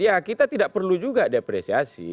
ya kita tidak perlu juga depresiasi